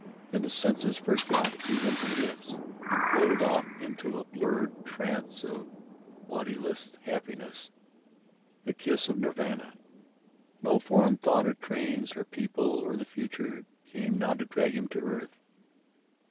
Then his senses forgot even her lips, and floated off into a blurred trance of bodiless happiness—the kiss of Nirvana. No foreign thought of trains or people or the future came now to drag him to earth.